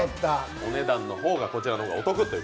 お値段の方がこちらの方がお得とう。